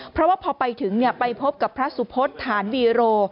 เพราะว่าพอไปถึงไปพบกับพระสุพศฐานวีโร